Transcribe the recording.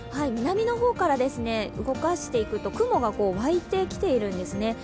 南の方から動かしていくと雲が湧いてきているんですね。